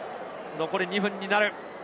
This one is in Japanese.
残り２分になる。